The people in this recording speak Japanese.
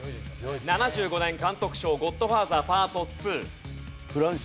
７５年監督賞『ゴッドファーザーＰＡＲＴⅡ』。